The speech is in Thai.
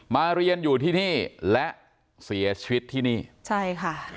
เรียนอยู่ที่นี่และเสียชีวิตที่นี่ใช่ค่ะ